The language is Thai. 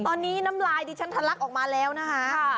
ตอนนี้น้ำลายดิฉันทะลักออกมาแล้วนะคะ